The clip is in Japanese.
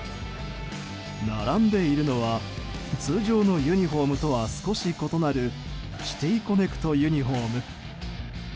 並んでいるのは通常のユニホームとは少し異なるシティ・コネクトユニホーム。